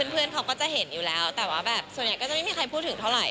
เพื่อนเขาก็จะเห็นอยู่แล้วแต่ว่าแบบส่วนใหญ่ก็จะไม่มีใครพูดถึงเท่าไห